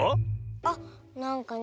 あっなんかね